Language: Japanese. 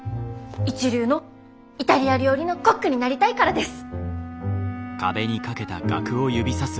一流のイタリア料理のコックになりたいからです！